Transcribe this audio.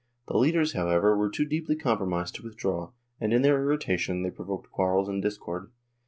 The leaders, however were too deeply com promised to withdraw and, in their irritation, they provoked quarrels and discord.